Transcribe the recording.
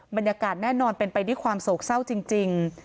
บรรยากาศแน่นอนเป็นไปด้วยความโศกเศร้าจริง